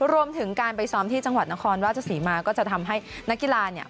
รวมถึงการไปซ้อมที่จังหวัดนครราชศรีมาก็จะทำให้นักกีฬาเนี่ย